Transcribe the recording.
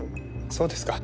そうですか。